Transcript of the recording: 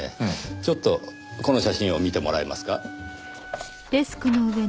ちょっとこの写真を見てもらえますか。